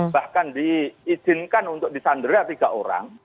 bahkan diizinkan untuk disandera tiga orang